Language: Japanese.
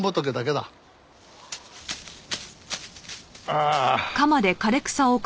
ああ。